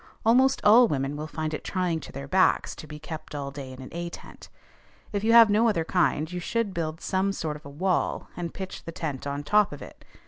Almost all women will find it trying to their backs to be kept all day in an A tent. If you have no other kind, you should build some sort of a wall, and pitch the tent on top of it.